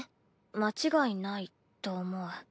間違いないと思う。